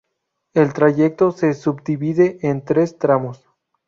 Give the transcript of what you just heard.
El trayecto se subdivide en tres tramos.